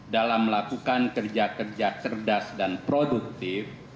dalam melakukan kerja kerja cerdas dan produktif